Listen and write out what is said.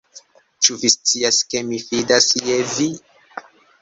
Ĉu vi scias ke mi fidas je vi?